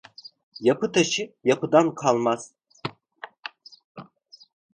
Yapı taşı, yapıdan kalmaz.